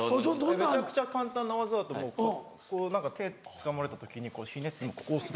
めちゃくちゃ簡単な技だとこう何か手つかまれた時にこうひねって押すだけ。